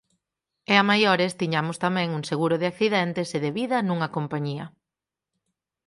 E a maiores tiñamos tamén un seguro de accidentes e de vida nunha compañía…